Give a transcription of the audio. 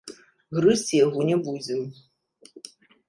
Грызці яго не будзем.